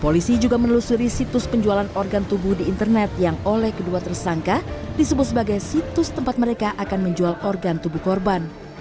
polisi juga menelusuri situs penjualan organ tubuh di internet yang oleh kedua tersangka disebut sebagai situs tempat mereka akan menjual organ tubuh korban